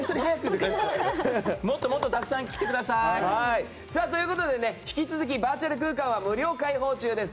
もっとたくさん来てください。ということで引き続きバーチャル空間は無料開放中です。